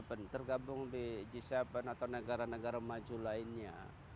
atau negara negara maju lainnya